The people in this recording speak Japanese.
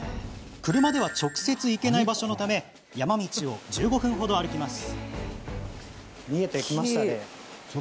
車では直接行けない場所のため山道を１５分程、歩きます。